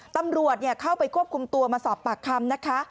ตำรวจเข้าไปควบคุมตัวมาสอบปากคำนะคะ